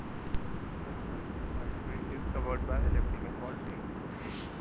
The presbytery is covered by elliptical vaulting.